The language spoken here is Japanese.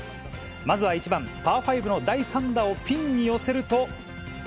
まずは１番、パーファイブの第３打をピンに寄せると。